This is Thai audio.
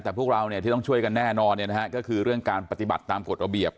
แต่พวกเราที่ต้องช่วยกันแน่นอนก็คือเรื่องการปฏิบัติตามกฎระเบียบ